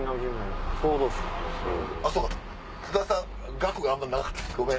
津田さん学があんまなかったごめん。